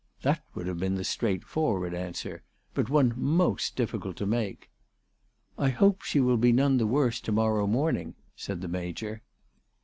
That would have been the straightforward answer; but one most diffi cult to make. " I hope she will be none the worse to morrow morning," said the Major.